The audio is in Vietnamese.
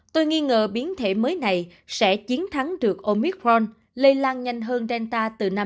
tôi nghi ngờ biến thể mới này sẽ chiến thắng được omicron lây lan nhanh hơn delta từ năm đến sáu lần